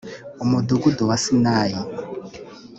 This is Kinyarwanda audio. umudugudu wa Sinayi